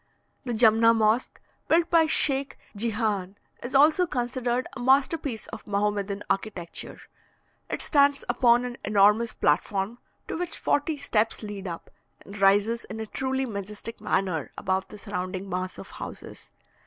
The Jumna Mosque, built by the Sheikh Djihan, is also considered a masterpiece of Mahomedan architecture; it stands upon an enormous platform, to which forty steps lead up, and rises in a truly majestic manner above the surrounding mass of houses.